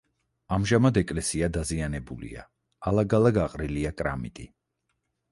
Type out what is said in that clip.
ამჟამად ეკელსია დაზიანებულია: ალაგ-ალაგ აყრილია კრამიტი.